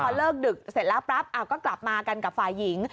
พอเลิกดึกเสร็จแล้วปั๊บก็กลับมากันกับฝ่ายหญิง